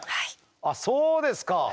あっそうですか。